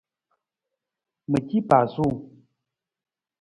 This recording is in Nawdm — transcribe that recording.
Mi ci pasuu.